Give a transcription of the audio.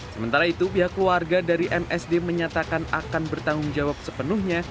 sementara itu pihak keluarga dari msd menyatakan akan bertanggung jawab sepenuhnya